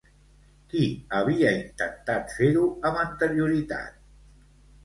Qui havia intentat fer-ho amb anterioritat?